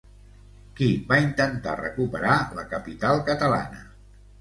Qui va intentar recuperar la capital catalana?